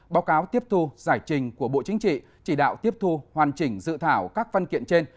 báo cáo tiếp thu giải trình của bộ chính trị chỉ đạo tiếp thu hoàn chỉnh dự thảo các văn kiện trên